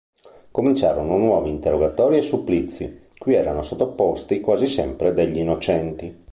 Cominciarono nuovi interrogatori e supplizi, cui erano sottoposti quasi sempre degli innocenti.